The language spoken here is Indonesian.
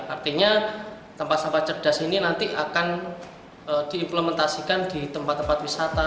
artinya tempat sampah cerdas ini nanti akan diimplementasikan di tempat tempat wisata